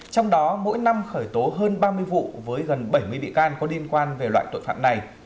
trong đó mỗi năm khởi tố hơn ba mươi vụ với gần bảy mươi bị can có liên quan về loại tội phạm này